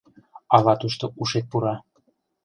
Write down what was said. Ала тушто ушет пура.